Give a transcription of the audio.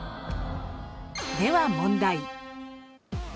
では問題。